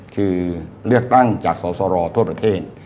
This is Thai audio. คือเลือกตั้งจากสสรทั่วประเทศ